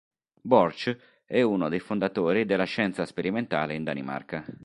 Borch è uno dei fondatori della scienza sperimentale in Danimarca.